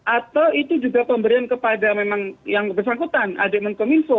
atau itu juga pemberian kepada memang yang bersangkutan adik menkominfo